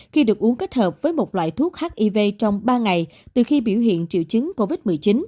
khi được uống kết hợp với một loại thuốc hiv trong ba ngày từ khi biểu hiện triệu chứng covid một mươi chín